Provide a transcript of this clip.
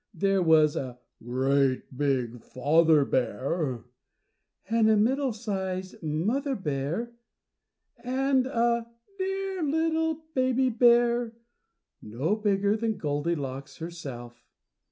There was a GREAT BIG FATHER BEAR, +and a middling sized mother bear+, and a dear little baby bear, no bigger than Goldilocks herself.